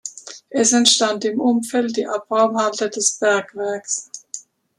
Es entstand im Umfeld die Abraumhalde des Bergwerks.